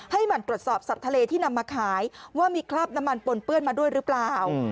หมั่นตรวจสอบสัตว์ทะเลที่นำมาขายว่ามีคราบน้ำมันปนเปื้อนมาด้วยหรือเปล่า